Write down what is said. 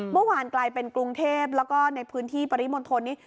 กลายเป็นกรุงเทพแล้วก็ในพื้นที่ปริมณฑลนี้